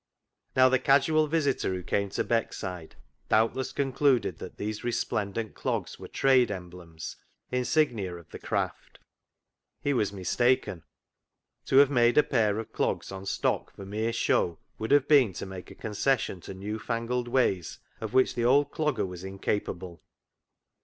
Now, the casual visitor who came to Beck side doubtless concluded that these resplen dent clogs were trade emblems, insignia of the craft. He was mistaken. To have made a pair of clogs on stock or for mere show would have been to make a concession to new fangled ways of which the old Clogger was incapable.